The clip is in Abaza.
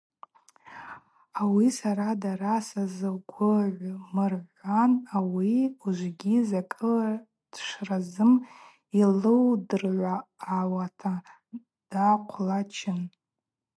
Ауи сара дара сарыгвыгӏвмыгӏвуан, ауи ужвыгьи закӏыла дшразым йылудыргӏауата дахъвларчын.